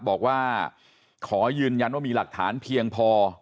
บอกว่าขอยืนยันว่ามีหลักฐานเพียงพอ